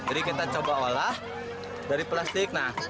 jadi kita coba olah dari plastik